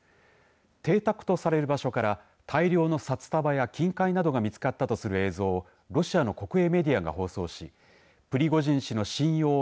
邸宅とされる場所から大量の札束や金塊などが見つかったとする映像をロシアの国営メディアが放送しプリゴジン氏の信用を